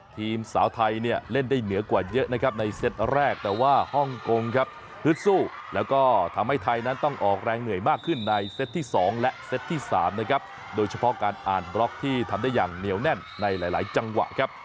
ทีมสาวไทยเนี่ยเล่นได้เหนือกว่าเยอะนะครับในเซตแรกแต่ว่าฮ่องกงครับฮึดสู้แล้วก็ทำให้ไทยนั้นต้องออกแรงเหนื่อยมากขึ้นในเซตที่๒และเซตที่๓นะครับโดยเฉพาะการอ่านบล็อกที่ทำได้อย่างเหนียวแน่นในหลายจังหวะครับ